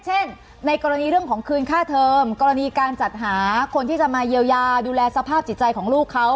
เช่นในกรณีเรื่องของคืนค่าเทิมกรณีการจัดหาคนที่จะมาเยียวยาดูแลสภาพจิตใจของลูกเขา